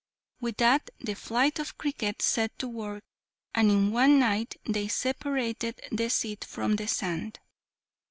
With that the flight of crickets set to work, and in one night they separated the seed from the sand.